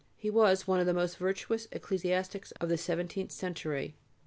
He was one of the most virtuous ecclesiastics of the seventeenth century.